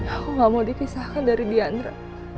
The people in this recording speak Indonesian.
aku nggak mau dipisahkan dari dianera